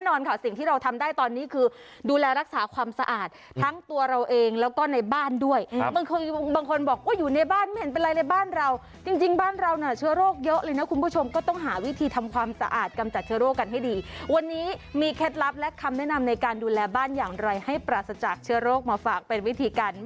นอนค่ะสิ่งที่เราทำได้ตอนนี้คือดูแลรักษาความสะอาดทั้งตัวเราเองแล้วก็ในบ้านด้วยบางคนบางคนบอกว่าอยู่ในบ้านไม่เห็นเป็นไรเลยบ้านเราจริงจริงบ้านเราน่ะเชื้อโรคเยอะเลยนะคุณผู้ชมก็ต้องหาวิธีทำความสะอาดกำจัดเชื้อโรคกันให้ดีวันนี้มีเคล็ดลับและคำแนะนำในการดูแลบ้านอย่างไรให้ปราศจากเชื้อโรคมาฝากเป็นวิธีการ